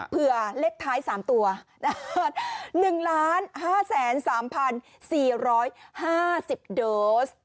เลขท้าย๓ตัว๑๕๓๔๕๐โดส